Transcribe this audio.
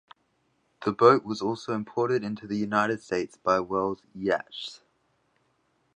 The boat was also imported into the United States by Wells Yachts.